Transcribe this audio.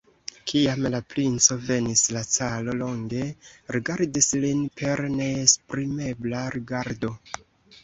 Kiam la princo venis, la caro longe rigardis lin per neesprimebla rigardo.